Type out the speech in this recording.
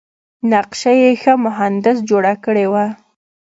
نقشه یې ښه مهندس جوړه کړې وه.